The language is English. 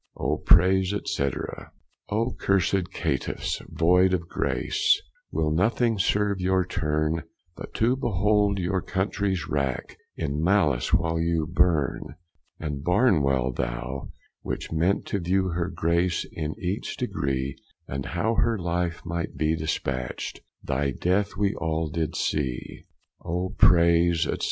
O praise, &c. O cursed catifes, void of grace, Will nothing serve your turne, But to behold your cuntries wrack, In malice while you burne? And Barnwell thou, which went to view Her grace in each degree, And how her life might be dispatcht, Thy death we all did see. O praise, &c.